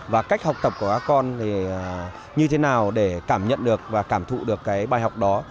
và cách học tập của các con thì như thế nào để cảm nhận được và cảm thụ được cái bài học đó